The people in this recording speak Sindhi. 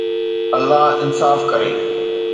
الله انصاف ڪري